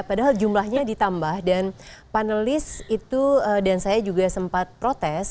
padahal jumlahnya ditambah dan panelis itu dan saya juga sempat protes